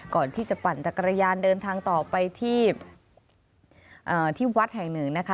ก่อนที่จะปั่นจักรยานเดินทางต่อไปที่วัดแห่งหนึ่งนะคะ